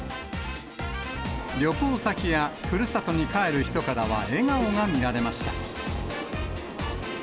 旅行先やふるさとに帰る人からは笑顔が見られました。